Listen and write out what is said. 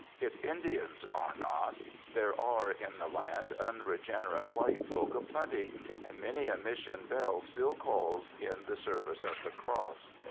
If Indians are not, there are in the land un regenerate white folk a plenty, and many a Mission bell still calls in the service of the Cross.